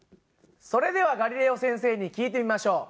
それではガリレオ先生に聞いてみましょう。